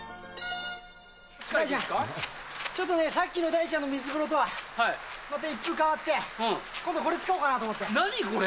ちょっとね、さっきの大ちゃんの水風呂とはまた一風変わって、今度これ、何、これ。